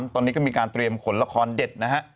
ตอนนี้ก็มีการเตรียมขนละครเด็ดนะฮะ